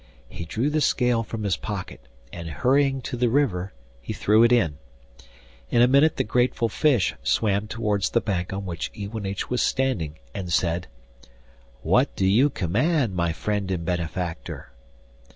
He drew the scale from his pocket, and hurrying to the river he threw it in. In a minute the grateful fish swam towards the bank on which Iwanich was standing, and said: 'What do you command, my friend and benefactor?